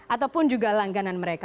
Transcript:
ataupun juga langganan mereka